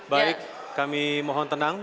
baik kami mohon tenang